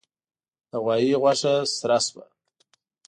د غوايي غوښه سره شوه.